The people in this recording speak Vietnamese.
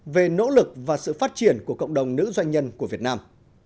về nỗ lực và sự phát triển của cộng đồng nữ doanh nhân của việt nam